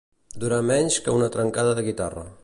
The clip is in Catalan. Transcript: Durar menys que una trencada de guitarra.